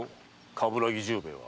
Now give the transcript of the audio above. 鏑木十兵衛は。